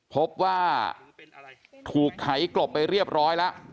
พบว่าถูกไถกลบไปเรียบร้อยแล้ว